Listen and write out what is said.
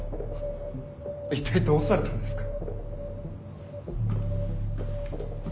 いったいどうされたんですか？